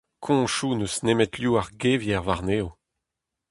Koñchoù n'eus nemet liv ar gevier warnezho.